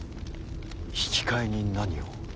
引き換えに何を。